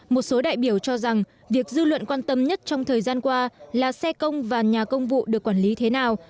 một số đại biểu cho rằng việc dư luận quan tâm nhất trong thời gian qua là xe công và nhà công vụ được quản lý thế nào